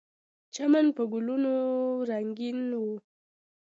چمن په ګلونو رنګین و.